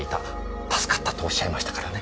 助かったとおっしゃいましたからね。